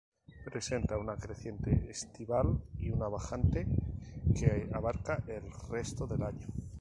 Presenta una creciente estival y una bajante que abarca el resto del año.